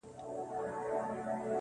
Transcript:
علم د ذهن روښانتیا ده.